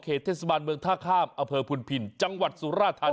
เขตเทศบาลเมืองท่าข้ามอเภอพุนภิลจังหวัดสุรธัณฑ์